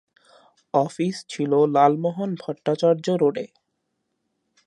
Office ছিল লালমোহন ভট্টাচার্য রোডে।